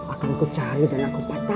akanku cari dan aku patahkan batang lehernya